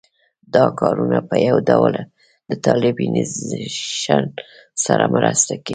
دا کارونه په یو ډول د طالبانیزېشن سره مرسته کوي